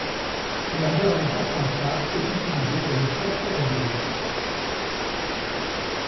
La gare de Carpentras est utilisée pour le fret ferroviaire.